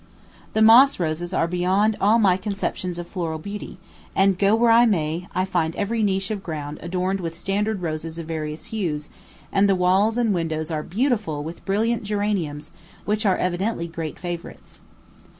The moss roses are beyond all my conceptions of floral beauty; and, go where I may, I find every niche of ground adorned with standard roses of various hues, and the walls and windows are beautified with brilliant geraniums, which are evidently great favorites.